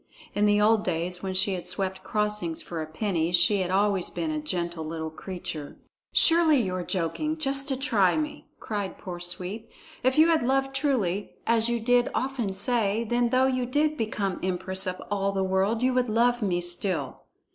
In the old days when she had swept crossings for a penny she had always been a gentle little creature. "Surely you are joking, just to try me," cried poor Sweep. "If you had loved truly, as you did often say, then though you did become empress of all the world, you would love me still.